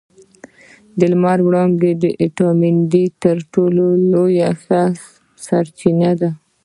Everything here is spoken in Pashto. د لمر وړانګې د ویټامین ډي تر ټولو ښه سرچینه ده